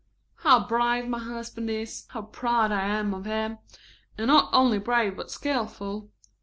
"How brave my husband is. How proud I am of him. And not only brave but skilful.